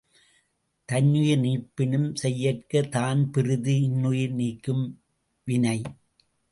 தன்னுயிர் நீப்பினுஞ் செய்யற்க தான்பிறிது இன்னுயிர் நீக்கும் வினை.